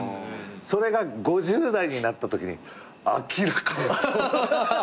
それが五十代になったときに明らかに。